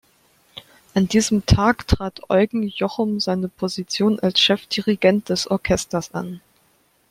An diesem Tag trat Eugen Jochum seine Position als Chefdirigent des Orchesters an.